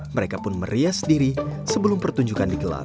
mereka pun merias diri sebelum pertunjukan digelar